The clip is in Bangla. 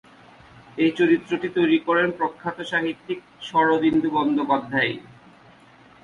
এই চরিত্রটি তৈরি করেন প্রখ্যাত সাহিত্যিক শরদিন্দু বন্দ্যোপাধ্যায়।